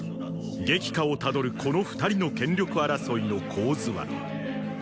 激化をたどるこの二人の権力争いの構図はーー。